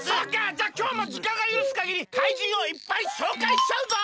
じゃあきょうもじかんがゆるすかぎり怪人をいっぱいしょうかいしちゃうぞ！